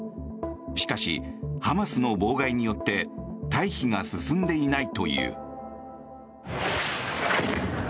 しかし、ハマスの妨害によって退避が進んでいないという。